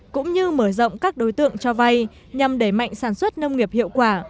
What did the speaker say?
cũng như mở rộng các đối tượng cho vay nhằm đẩy mạnh sản xuất nông nghiệp hiệu quả